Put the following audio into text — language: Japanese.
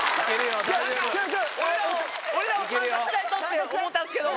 俺らも参加しないとって思うたんですけど。